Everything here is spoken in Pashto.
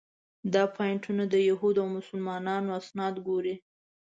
دا پواینټونه د یهودو او مسلمانانو اسناد ګوري.